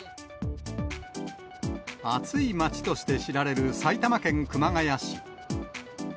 暑い街として知られる埼玉県熊谷市。